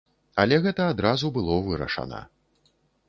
Але гэта адразу было вырашана.